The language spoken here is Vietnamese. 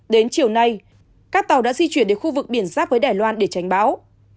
đến chiều nay các tàu đã di chuyển đến khu vực biển giáp với đài loan để tránh bão